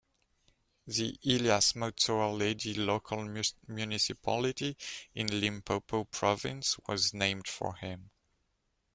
The Elias Motsoaledi Local Municipality in Limpopo province was named for him.